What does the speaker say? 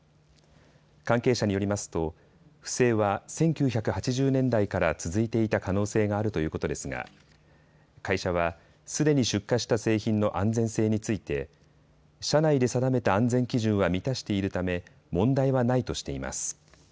関係者によりますと不正は１９８０年代から続いていた可能性があるということですが会社はすでに出荷した製品の安全性について社内で定めた安全基準は満たしているため問題はないとしています。